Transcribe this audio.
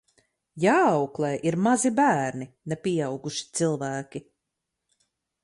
Jāauklē ir mazi bērni, ne pieauguši cilvēki.